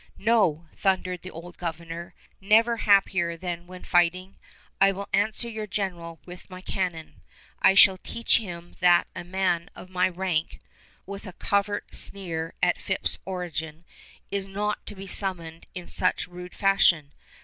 "No," thundered the old Governor, never happier than when fighting, "I will answer your General with my cannon! I shall teach him that a man of my rank" with covert sneer at Phips' origin, "is not to be summoned in such rude fashion!